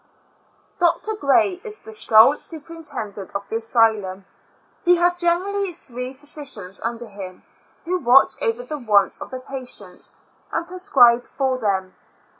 Doctor Gray is the sole superintendent of the asylum.' He has generally three physicians under him, who watch over the wants of the patients, and prescribe for them.